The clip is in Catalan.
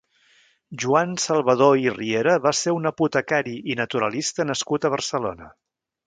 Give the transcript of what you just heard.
Joan Salvador i Riera va ser un apotecari i naturalista nascut a Barcelona.